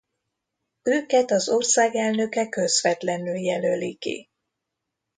Őket az ország elnöke közvetlenül jelöli ki.